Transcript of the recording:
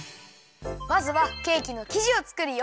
まずはケーキのきじをつくるよ。